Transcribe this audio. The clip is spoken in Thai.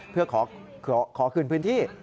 เพื่อขอคืนพื้นที่